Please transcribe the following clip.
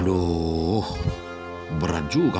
aduh berat juga